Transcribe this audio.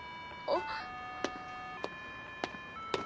あっ！